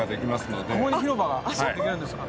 ここに広場ができるんですか？